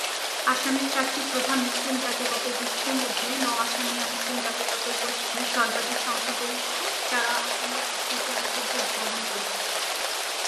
আসামের চারটি প্রধান মুসলিম জাতিগত গোষ্ঠী মধ্যে ন-অসমীয়া মুসলিম জাতিগত গোষ্ঠী সর্বাধিক সংখ্যাগরিষ্ঠ যারা আসামের এক তৃতীয়াংশ ভোট গঠন করেছে।